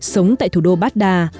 sống tại thủ đô baghdad